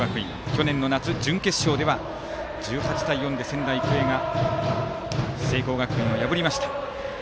去年の夏の準決勝では１８対４で仙台育英が聖光学院を破りました。